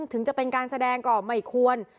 ถึงจะเป็นการแสดงก็ไม่ควร